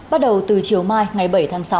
bắt đầu từ chiều mai ngày bảy tháng sáu